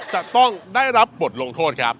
จะต้องได้รับบทลงโทษครับ